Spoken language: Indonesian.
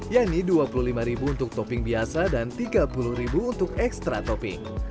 yani dua puluh lima ribu untuk topping biasa dan tiga puluh ribu untuk ekstra topping